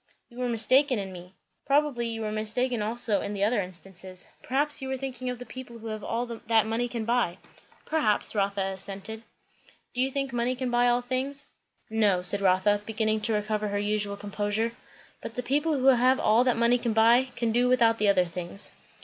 "You were mistaken in me. Probably you were mistaken also in the other instances. Perhaps you were thinking of the people who have all that money can buy?" "Perhaps," Rotha assented. "Do you think money can buy all things?" "No," said Rotha, beginning to recover her usual composure; "but the people who have all that money can buy, can do without the other things."